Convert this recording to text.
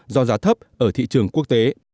do giá thấp ở thị trường quốc tế